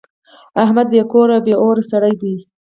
احمد بې کوره او بې اوره سړی دی.